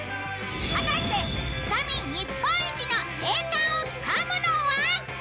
果たして、つかみ日本一の栄冠をつかむのは？